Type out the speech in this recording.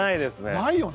ないよね。